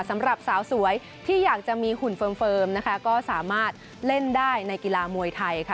สำหรับสาวสวยที่อยากจะมีหุ่นเฟิร์มนะคะก็สามารถเล่นได้ในกีฬามวยไทยค่ะ